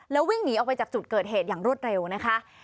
แล้ววิ่งหนีออกไปจากจุดเกิดเหตุอย่างรวดเร็วนะคะ